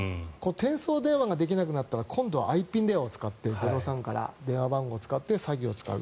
転送電話ができなくなったら今度はＩＰ電話を使って「０３」からの電話番号を使って詐欺に使う。